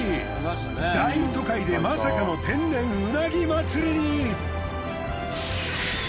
大都会でまさかの天然ウナギ祭りに。